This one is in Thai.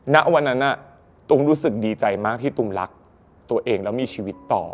ณวันนั้นตุ้มรู้สึกดีใจมากที่ตุ้มรักตัวเองแล้วมีชีวิตต่อ